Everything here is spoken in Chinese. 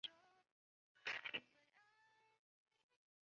不同的缓存架构处理这个问题的方式是不同的。